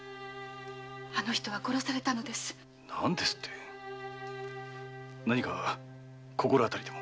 あの人は殺されたのです何ですって何か心当たりでも？